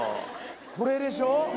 これでしょ？